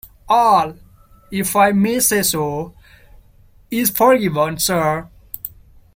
All, if I may say so, is forgiven, sir.